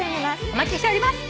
お待ちしております。